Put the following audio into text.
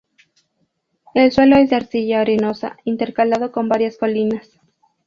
El suelo es de arcilla arenosa, intercalado con varias colinas.